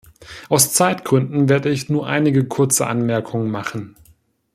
Aus Zeitgründen werde ich nur einige kurze Anmerkungen machen.